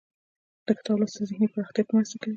د کتاب لوستل ذهني پراختیا ته مرسته کوي.